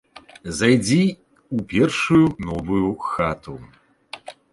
Зайдзі ў першую новую хату.